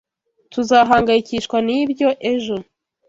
Tuzahangayikishwa nibyo ejo.